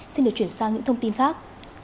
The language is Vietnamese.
xin được chuyển sang những thông tin khác